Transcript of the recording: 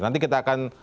nanti kita akan